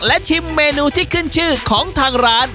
และชิมเมนูที่ขึ้นชื่อของทางร้าน